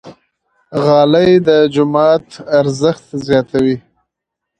غالۍ د جومات ارزښت زیاتوي.